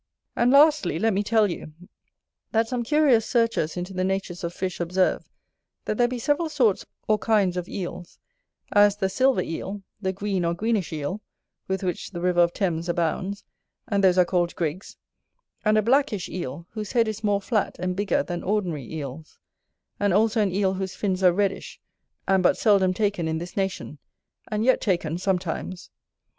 And lastly, let me tell you, that some curious searchers into the natures of fish observe, that there be several sorts or kinds of Eels; as the silver Eel, the green or greenish Eel, with which the river of Thames abounds, and those are called Grigs; and a blackish Eel, whose head is more flat and bigger than ordinary Eels; and also an Eel whose fins are reddish, and but seldom taken in this nation, and yet taken sometimes.